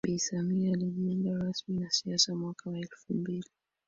Bi Samia alijiunga rasmi na siasa mwaka wa elfu mbili